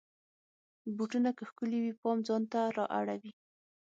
بوټونه که ښکلې وي، پام ځان ته را اړوي.